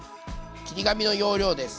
切り紙の要領です。